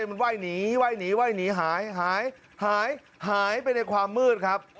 มันไหว้หนีไหว้หนีไหว้หนีหายหายหายหายหายไปในความมืดครับ